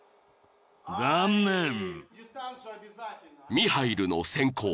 ［ミハイルの先攻］